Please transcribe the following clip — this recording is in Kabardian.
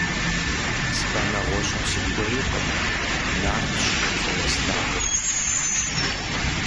Сэ нэгъуэщӏым сыхуейкъым, Нартщ фӏыуэ слъагъур.